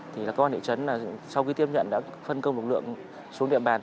thì là công an thị trấn là sau khi tiếp nhận đã phân công một lượng xuống địa bàn